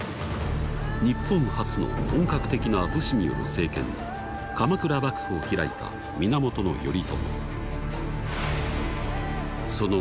日本初の本格的な「武士による政権」鎌倉幕府を開いた源頼朝。